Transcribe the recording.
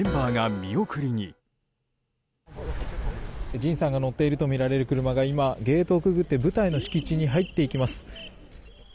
ＪＩＮさんが乗っているとみられる車が今、ゲートをくぐって部隊の敷地に入っていきます。